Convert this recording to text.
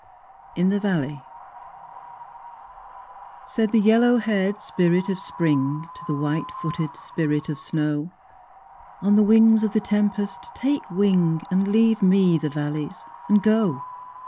In the Valley Said the yellow haired Spirit of Spring To the white footed Spirit of Snow, "On the wings of the tempest take wing, And leave me the valleys, and go."